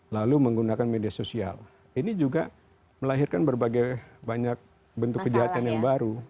lalu menggunakan media sosial ini juga melahirkan berbagai banyak bentuk kejahatan yang baru